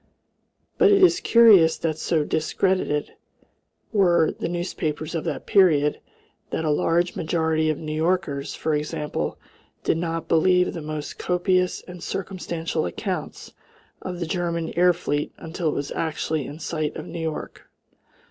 But it is curious that so discredited were the newspapers of that period that a large majority of New Yorkers, for example, did not believe the most copious and circumstantial accounts of the German air fleet until it was actually in sight of New York.